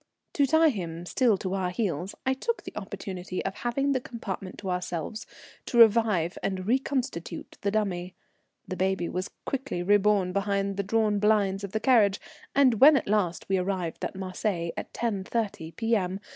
To tie him still to our heels, I took the opportunity of having the compartment to ourselves to revive and reconstitute the dummy. The baby was quickly reborn behind the drawn blinds of the carriage, and when at last we arrived at Marseilles at 10.30 P.M.